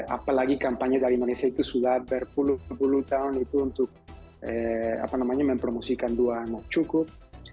apalagi kampanye dari malaysia itu sudah berpuluh puluh tahun itu untuk mempromosikan dua anak cukup